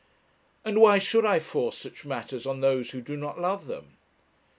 And why should I force such matters on those who do not love them?